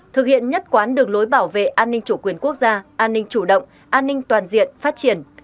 thực hiện nhất quán đường lối bảo vệ an ninh chủ quyền quốc gia an ninh chủ động an ninh toàn diện phát triển